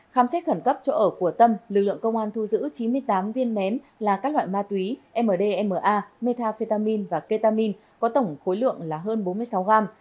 khám xét khẩn cấp chỗ ở của tâm lực lượng công an thu giữ chín mươi tám viên nén là các loại ma túy mdma metafetamin và ketamin có tổng khối lượng là hơn bốn mươi sáu gram